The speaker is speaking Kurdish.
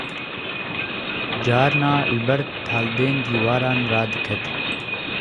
carna li ber taldên diwaran radiket